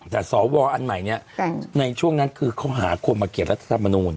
แต่สวอันใหม่เนี่ยในช่วงนั้นคือเขาหาคนมาเขียนรัฐธรรมนูล